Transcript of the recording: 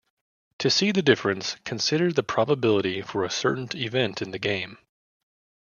To see the difference, consider the probability for a certain event in the game.